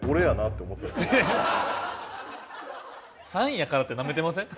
３位やからってナメてません？